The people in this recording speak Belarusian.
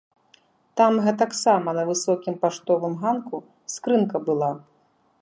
Там гэтаксама на высокім паштовым ганку скрынка была.